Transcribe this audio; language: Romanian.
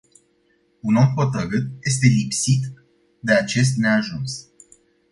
Un om hotarît este lipsit de acest neajuns.